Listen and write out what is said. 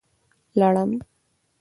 🦂 لړم